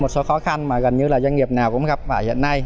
một số khó khăn mà gần như là doanh nghiệp nào cũng gặp phải hiện nay